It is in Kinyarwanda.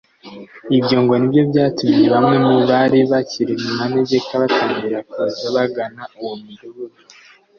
Ibyo ngo nibyo byatumye bamwe mu bari bakiri mu manegeka batangira kuza bagana uwo mudugudu